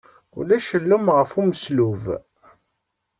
Ulac llum ɣef umeslub.